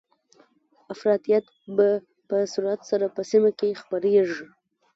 افراطيت به په سرعت سره په سیمه کې خپریږي